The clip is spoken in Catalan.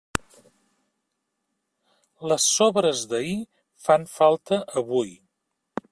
Les sobres d'ahir fan falta avui.